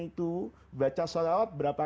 itu baca sholawat berapa